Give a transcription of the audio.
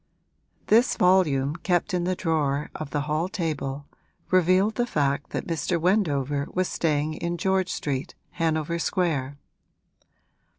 This volume, kept in the drawer of the hall table, revealed the fact that Mr. Wendover was staying in George Street, Hanover Square.